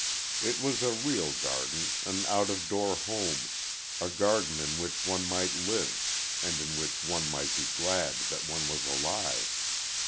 It was a real garden an out of door home a garden in which one might live, and in which one might be glad that one was alive.